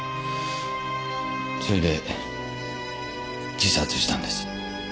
それで自殺したんです。